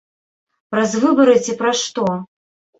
Праз выбары ці праз што?